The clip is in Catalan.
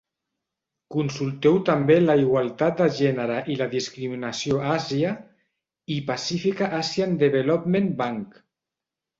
Consulteu també la igualtat de gènere i la discriminació a Àsia i Pacifica Asian Development Bank.